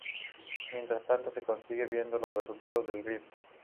Mientras tanto, se siguen viendo los recuerdos de Grim.